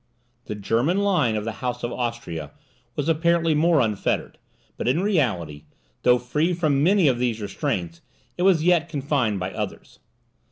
The German line of the House of Austria was apparently more unfettered; but, in reality, though free from many of these restraints, it was yet confined by others.